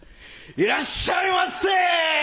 「いらっしゃいませ！」